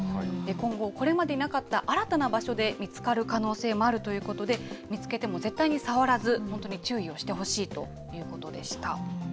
今後、これまでになかった新たな場所で見つかる可能性もあるということで、見つけても絶対に触らず、本当に注意をしてほしいということでした。